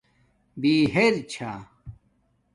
بہرچھݳ